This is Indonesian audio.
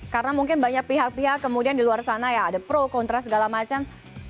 karena mungkin banyak pihak pihak kemudian di luar sana ada pro kontra segala macam